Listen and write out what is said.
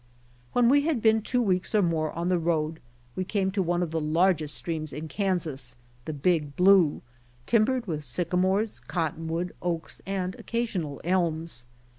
When we had been two weeks or more on the road we came to one of the largest streams in Kansas, the Big Blue, timbered with sycamores, cottonwood, oaks and occasional elms.